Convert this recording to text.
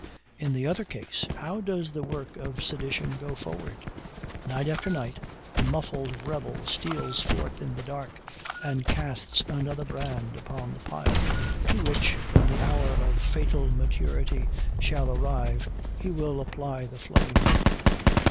In the other case, how does the work of sedition go forward? Night after night the muffled rebel steals forth in the dark, and casts another brand upon the pile, to which, when the hour of fatal maturity shall arrive, he will apply the flame.